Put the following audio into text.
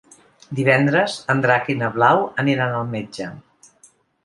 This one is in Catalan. Divendres en Drac i na Blau aniran al metge.